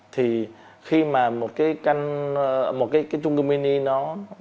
thì khi mà một cái trung cư mini nó